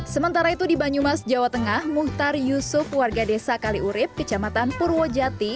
sementara itu di banyumas jawa tengah muhtar yusuf warga desa kaliurip kecamatan purwojati